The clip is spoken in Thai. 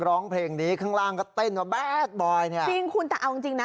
ร้องเพลงนี้ข้างล่างก็เต้นมาแบดบอยเนี่ยจริงคุณแต่เอาจริงจริงนะ